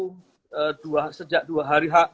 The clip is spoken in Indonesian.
pelaku sejak dua hari